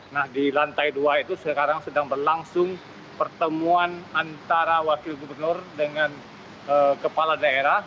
nah di lantai dua itu sekarang sedang berlangsung pertemuan antara wakil gubernur dengan kepala daerah